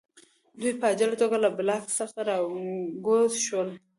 دوی په عاجله توګه له بلاک څخه راکوز شول